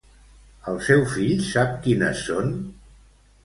El seu fill sap quines són?